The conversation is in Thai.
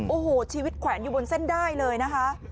โอ้โหชีวิตแขวนอยู่บนเส้นได้เลยนะคะ